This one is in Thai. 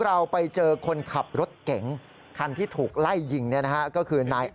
เราไปเจอคนขับรถเก๋งคันที่ถูกไล่ยิงเนี่ยนะฮะก็คือนาย